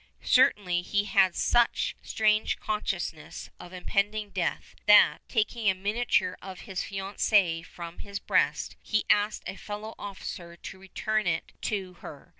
Certainly he had such strange consciousness of impending death that, taking a miniature of his fiancée from his breast, he asked a fellow officer to return it to her.